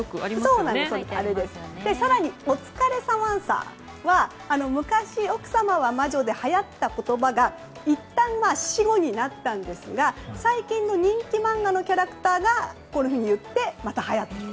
更に、お疲れサマンサは昔「奥さまは魔女」で流行った言葉がいったん死語になったんですが最近の人気漫画のキャラクターがこういうふうに言ってまたはやったと。